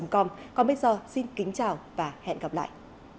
còn bây giờ xin kính chào và hẹn gặp lại